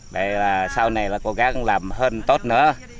vậy là sau này là cố gắng làm hơn tốt nữa